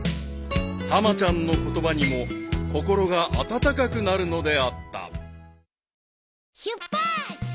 ［たまちゃんの言葉にも心が温かくなるのであった］